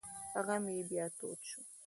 غم یې بیا تود شو.